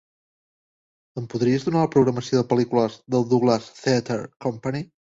Em podries donar la programació de pel·lícules de Douglas Theatre Company